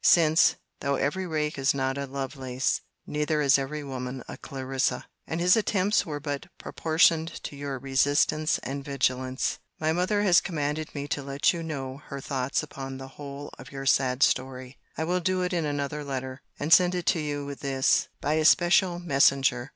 —Since, though every rake is not a LOVELACE, neither is every woman a CLARISSA: and his attempts were but proportioned to your resistance and vigilance. My mother has commanded me to let you know her thoughts upon the whole of your sad story. I will do it in another letter; and send it to you with this, by a special messenger.